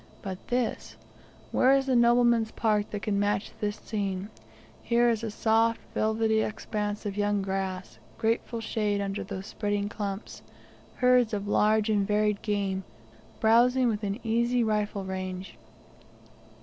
But this where is the nobleman's park that can match this scene? Here is a soft, velvety expanse of young grass, grateful shade under those spreading clumps; herds of large and varied game browsing within easy rifle range.